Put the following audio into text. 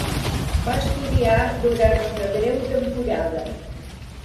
Va estudiar art durant una breu temporada.